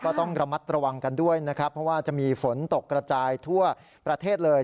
ก็ต้องระมัดระวังกันด้วยนะครับเพราะว่าจะมีฝนตกกระจายทั่วประเทศเลย